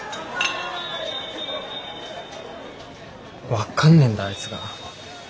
分かんねえんだあいつが。